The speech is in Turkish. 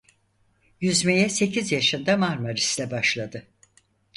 Yüzmeye sekiz yaşında Marmaris'te başladı.